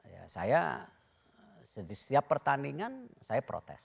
ya saya di setiap pertandingan saya protes